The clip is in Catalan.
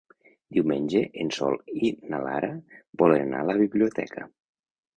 Diumenge en Sol i na Lara volen anar a la biblioteca.